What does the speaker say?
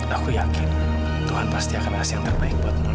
aku yakin tuhan pasti akan kasih yang terbaik buat non